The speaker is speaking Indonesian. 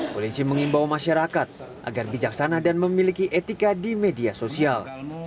polisi mengimbau masyarakat agar bijaksana dan memiliki etika di media sosial